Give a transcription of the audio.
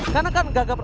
karena kan kagagah